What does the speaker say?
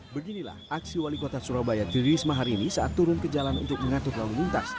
beginilah aksi wali kota surabaya tri risma hari ini saat turun ke jalan untuk mengatur lalu lintas